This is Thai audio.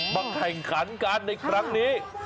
มาแข่งขันกันในครั้งนี้